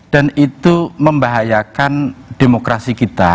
itu membahayakan demokrasi kita